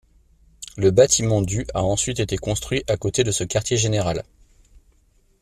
Le bâtiment du a ensuite été construit à côté de ce quartier général.